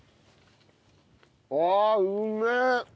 ああうめえ！